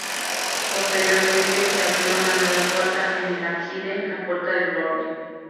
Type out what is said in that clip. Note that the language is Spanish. Posteriormente se abrió una nueva puerta en el ábside: la puerta del Borne.